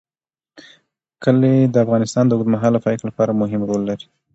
کلي د افغانستان د اوږدمهاله پایښت لپاره مهم رول لري.